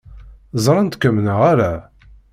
Ẓṛant-kem neɣ ala?